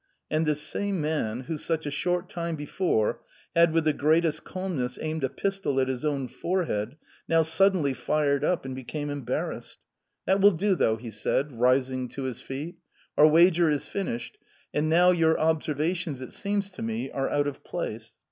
And this same man, who, such a short time before, had with the greatest calmness aimed a pistol at his own forehead, now suddenly fired up and became embarrassed. "That will do, though!" he said, rising to his feet. "Our wager is finished, and now your observations, it seems to me, are out of place."